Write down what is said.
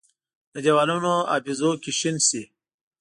د دیوالونو حافظو کې شین شي،